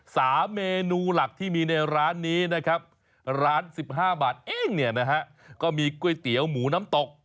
สามเมนูหลักที่มีในร้านนี้นะครับร้านสิบห้าบาทเองเนี่ยนะฮะก็มีก๋วยเตี๋ยวหมูน้ำตก